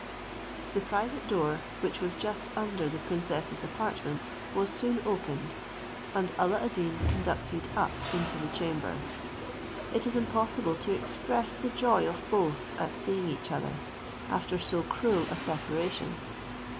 The private door, which was just under the princess's apartment, was soon opened, and Alla ad Deen conducted up into the chamber. It is impossible to express the joy of both at seeing each other, after so cruel a separation.